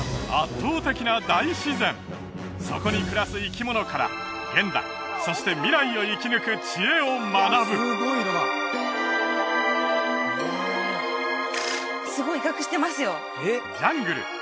圧倒的な大自然そこに暮らす生き物から現代そして未来を生き抜く知恵を学ぶすごい威嚇してますよジャングル！